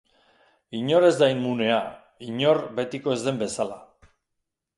Inor ez da immunea, inor betiko ez den bezala.